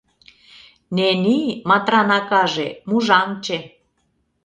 Нени, Матран акаже, мужаҥче.